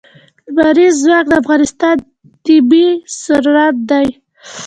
لمریز ځواک د افغانستان طبعي ثروت دی.